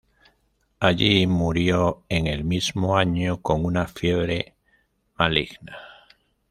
Allí murió en el mismo año con una fiebre maligna.